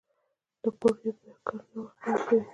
د کوډ بیا کارونه وخت خوندي کوي.